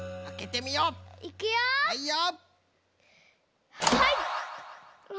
はいよ！